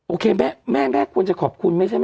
โอเคแม่แม่ควรจะขอบคุณไม่ใช่แม่